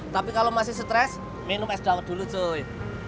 tapi kalau masih stres minum es daun dulu cuy